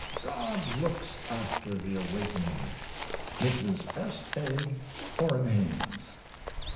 God looks after the awakening. Mrs. S. A. OREN HAYNES.